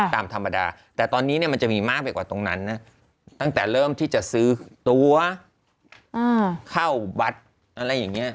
ตามธรรมดาแต่ตอนนี้มันจะมีมากไปกว่าตรงนั้นนะตั้งแต่เริ่มที่จะซื้อตัวเข้าวัดอะไรอย่างนี้